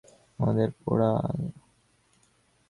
আমাদের পোড়া দেশে মেয়েছেলের পথ চলিবার যো নাই।